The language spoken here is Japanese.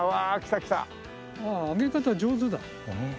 ああ揚げ方上手だ。